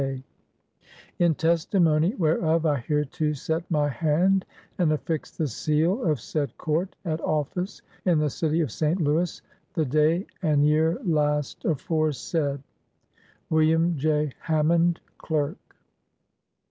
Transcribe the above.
^vdycyt " In testimony whereof, I hereto set my jfc t q % hand and affix the seal of said Court, at £" J office in the city of St. Louis, the day and ^^^^^ year last aforesaid. "WM. J. HAMMOND, Clerk."